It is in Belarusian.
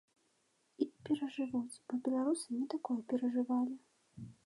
І перажывуць, бо беларусы не такое перажывалі.